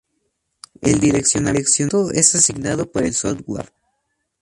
El direccionamiento es asignado por el software.